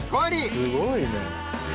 すごいね。